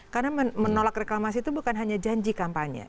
karena menolak reklamasi itu bukan hanya janji kampanye